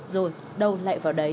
rồi đâu lại vào đấy